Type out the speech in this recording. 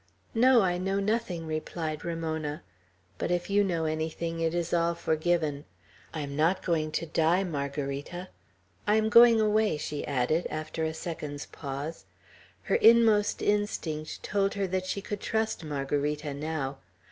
"No, I know nothing," replied Ramona; "but if you know anything, it is all forgiven. I am not going to die, Margarita. I am going away," she added, after a second's pause. Her inmost instinct told her that she could trust Margarita now.